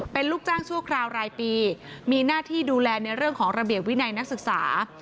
เป็นลูกจ้างชั่วคราวรายปีมีหน้าที่ดูแลในเรื่องของระเบียบวินัยนักศึกษา